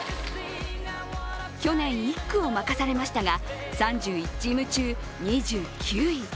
去年、１区を任されましたが、３１チーム中２９位。